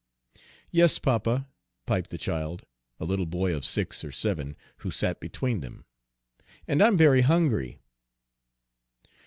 "Yes, papa," piped the child, a little boy of six or seven, who sat between them, "and I am very hungry."